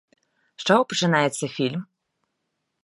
З чаго пачынаецца фільм?